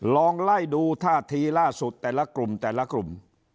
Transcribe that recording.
ลองไล่ดูท่าทีล่าสุดแต่ละกลุ่มแต่ละกลุ่ม